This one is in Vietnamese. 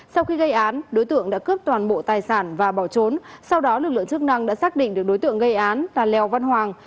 sau khi gây án đối tượng đã cướp toàn bộ tài sản và bỏ trốn sau đó lực lượng chức năng đã xác định được đối tượng gây án là lèo văn hoàng